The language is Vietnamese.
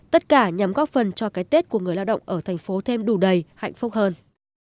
tất cả nhằm góp phần cho cái tết của người lao động ở thành phố thêm đủ đầy hạnh phúc hơn